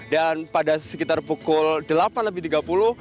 dan pada sekitar pukul delapan lebih tiga puluh